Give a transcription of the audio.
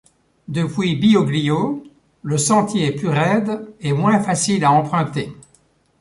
Depuis Bioglio, le sentier est plus raide et moins facile à emprunter.